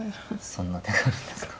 そんな手があるんですか。